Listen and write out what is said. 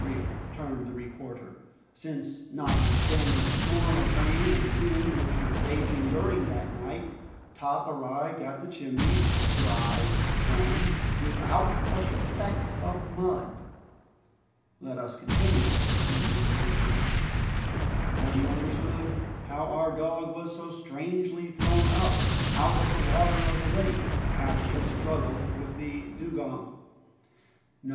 returned the reporter, "since notwithstanding the storm of rain and wind which was raging during that night, Top arrived at the Chimneys, dry and without a speck of mud!" "Let us continue," resumed the engineer. "Have you understood how our dog was so strangely thrown up out of the water of the lake, after his struggle with the dugong?" "No!